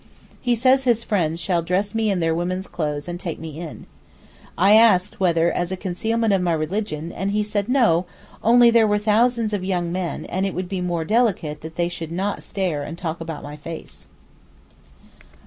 He says his friends shall dress me in their women's clothes and take me in. I asked whether as a concealment of my religion, and he said no, only there were 'thousands' of young men, and it would be 'more delicate' that they should not stare and talk about my face.